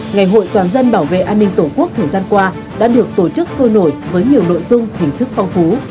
ngày hội toàn dân bảo vệ an ninh tổ quốc thời gian qua đã được tổ chức sôi nổi với nhiều nội dung hình thức phong phú